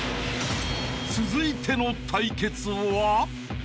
［続いての対決は？］